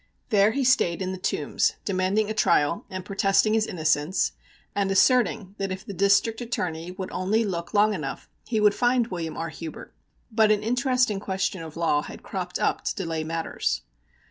There he stayed in the Tombs, demanding a trial and protesting his innocence, and asserting that if the District Attorney would only look long enough he would find William R. Hubert. But an interesting question of law had cropped up to delay matters.